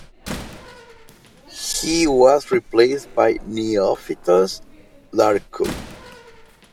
He was replaced by Neophytos Larkou.